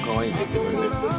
自分で。